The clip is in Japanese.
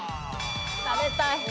食べたい。